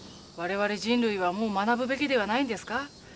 我々人類はもう学ぶべきではないんですか？